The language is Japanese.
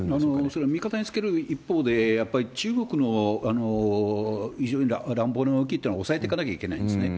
それは味方につける一方で、やっぱり中国の非常に乱暴な動きってのは抑えていかなきゃいけないんですね。